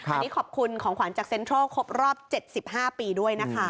อันนี้ขอบคุณของขวัญจากเซ็นทรัลครบรอบ๗๕ปีด้วยนะคะ